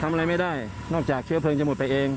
ทำอะไรไม่ได้นอกจากเชื้อเพลิงจะหมดไปเอง